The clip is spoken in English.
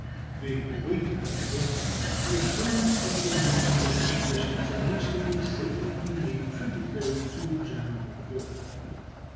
They await, however, the assurance of the means and conditions on which they may safely be made tributary to the general good.